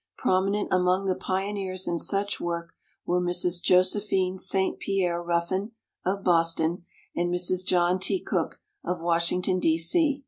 Prominent among the pioneers in such work were Mrs. Joseph ine St. Pierre Ruffin, of Boston, and Mrs. John T. Cook, of Washington, D. C.